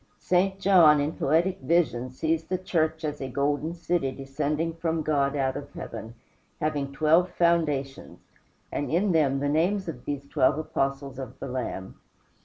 St. John, in poetic vision, sees the church as a golden city descending from God out of heaven, having twelve foundations, and in them the names of these twelve Apostles of the Lamb.